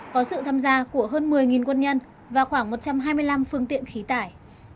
có sự tham gia của hơn một mươi quân nhân và khoảng một trăm hai mươi năm phương tiện khí tải